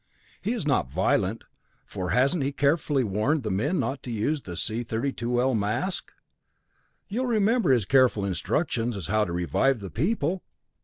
He is not violent, for hasn't he carefully warned the men not to use the C 32L mask? You'll remember his careful instructions as to how to revive the people!